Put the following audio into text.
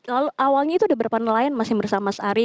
lalu awalnya itu ada berapa nelayan masih bersama mas ari